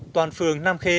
toàn phường nam khê